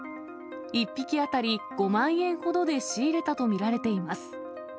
１匹当たり５万円ほどで仕入れたと見られています。